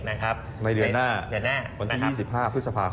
ในเดือนหน้าวันที่๒๕พฤษภาคม